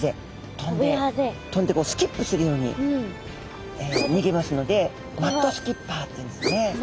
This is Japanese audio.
跳んで跳んでこうスキップするように逃げますのでマッドスキッパーっていうんですね。